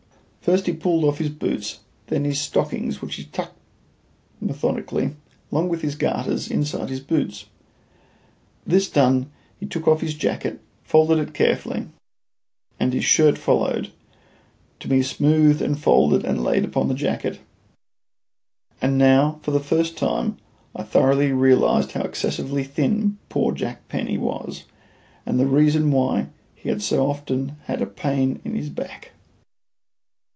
First he pulled off his boots, then his stockings, which he tucked methodically, along with his garters, inside his boots. This done he took off his jacket, folded it carefully, and his shirt followed, to be smoothed and folded and laid upon the jacket. And now, for the first time I thoroughly realised how excessively thin poor Jack Penny was, and the reason why he so often had a pain in his back.